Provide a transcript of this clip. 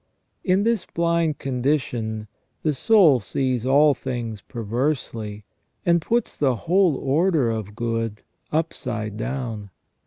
In this blind condition, the soul sees all things perversely, and puts the whole order of good upside down.